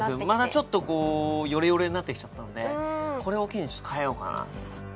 ちょっとヨレヨレになってきちゃったので、これを機に、ちょっと変えようかなと。